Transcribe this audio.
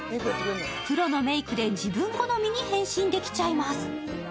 プロのメークで自分好みに変身できちゃいます。